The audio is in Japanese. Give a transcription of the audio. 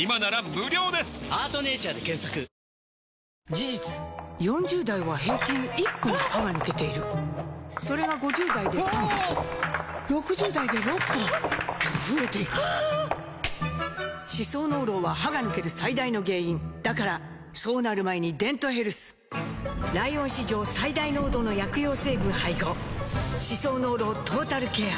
事実４０代は平均１本歯が抜けているそれが５０代で３本６０代で６本と増えていく歯槽膿漏は歯が抜ける最大の原因だからそうなる前に「デントヘルス」ライオン史上最大濃度の薬用成分配合歯槽膿漏トータルケア！